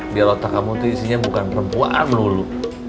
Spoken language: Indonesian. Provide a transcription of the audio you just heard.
biar otak kamu itu isinya bukan perempuan lulu